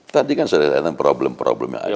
tadi kan saya katakan problem problem yang ada